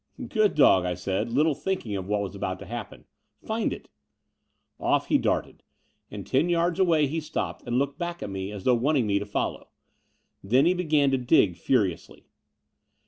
"Good dog," I said, little thinking of what was about to happen. "Find it." Off he darted, and ten yards away he stopped and looked back at me as though wanting me to follow. Then he began to dig furiously.